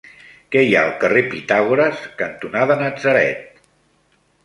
Què hi ha al carrer Pitàgores cantonada Natzaret?